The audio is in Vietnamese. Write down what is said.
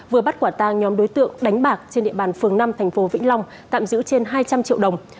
vừa bắt quả tang nhóm đối tượng đánh bạc trên địa bàn phường năm tp vĩnh long tạm giữ trên hai trăm linh triệu đồng